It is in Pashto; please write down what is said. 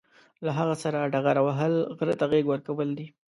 له هغه سره ډغره وهل، غره ته غېږ ورکول دي.